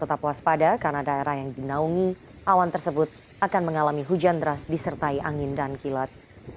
tak puas pada karena daerah yang dinaungi awan tersebut akan mengalami hujan ras disertai angin dan kilat